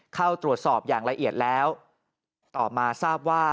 เข้าตรวจสอบอย่างละเอียดแล้ว